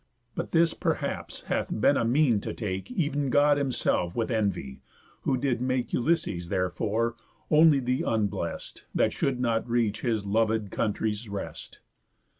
But this perhaps hath been a mean to take Ev'n God himself with envy; who did make Ulysses therefore only the unblest, That should not reach his loved country's rest."